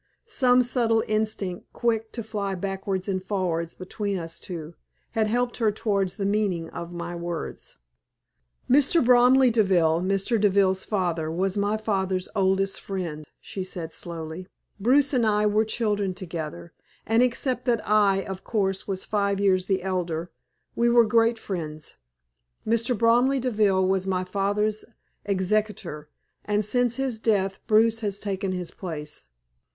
Some subtle instinct, quick to fly backwards and forwards between us two, had helped her towards the meaning of my words. "Mr. Bromley Deville, Mr. Deville's father, was my father's oldest friend," she said, slowly. "Bruce and I were children together, and except that I, of course, was five years the elder, we were great friends. Mr. Bromley Deville was my father's executor, and since his death Bruce has taken his place."